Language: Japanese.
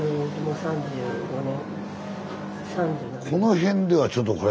この辺ではちょっとこれ。